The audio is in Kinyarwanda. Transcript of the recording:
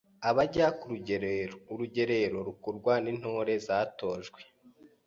Abajya ku rugerero: Urugerero rukorwa n’ intore zatojwe,